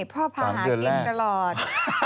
พ่อพาหากินตลอด